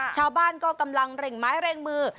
ชาวบ้านก็กำลังเร่งไม้เร่งมือ